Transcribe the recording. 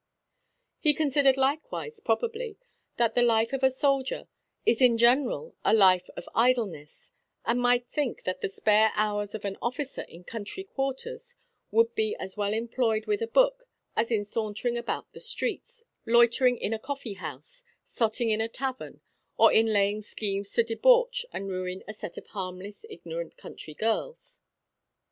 He considered likewise, probably, that the life of a soldier is in general a life of idleness; and might think that the spare hours of an officer in country quarters would be as well employed with a book as in sauntering about the streets, loitering in a coffee house, sotting in a tavern, or in laying schemes to debauch and ruin a set of harmless ignorant country girls.